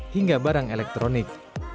hingga barang elektronik